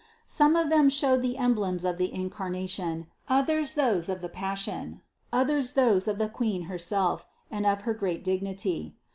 Some of them showed the emblems of the Incarnation, others those of the Pas sion, others those of the Queen herself, and of her great dignity.